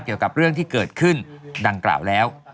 เกี่ยวกับเรื่องที่เกิดขึ้นดังกล่าวแล้ว